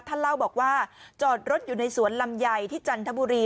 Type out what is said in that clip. เล่าบอกว่าจอดรถอยู่ในสวนลำไยที่จันทบุรี